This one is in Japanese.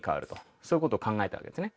そういうことを考えたわけですね。